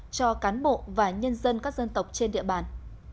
cho cán bộ và nhân dân các dân tộc trên địa bàn